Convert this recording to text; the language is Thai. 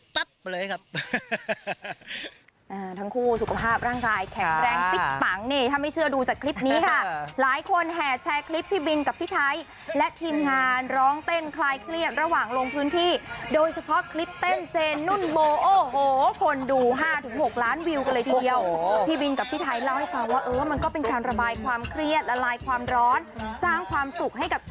ทั้งคู่สุขภาพร่างกายแข็งแรงฟิตปังนี่ถ้าไม่เชื่อดูจากคลิปนี้ค่ะหลายคนแห่แชร์คลิปพี่บินกับพี่ไทยและทีมงานร้องเต้นคลายเครียดระหว่างลงพื้นที่โดยเฉพาะคลิปเต้นเจนนุ่นโบโอ้โหคนดู๕๖ล้านวิวกันเลยทีเดียวพี่บินกับพี่ไทยเล่าให้ฟังว่าเออมันก็เป็นการระบายความเครียดละลายความร้อนสร้างความสุขให้กับ